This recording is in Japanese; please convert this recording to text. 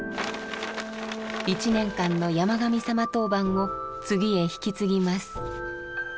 １年間の山神さま当番を次へ引き継ぎます。